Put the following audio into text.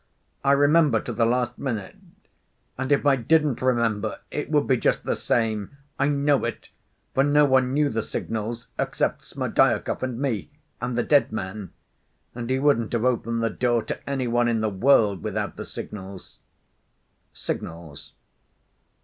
I remember to the last minute. And if I didn't remember, it would be just the same. I know it, for no one knew the signals except Smerdyakov, and me, and the dead man. And he wouldn't have opened the door to any one in the world without the signals." "Signals?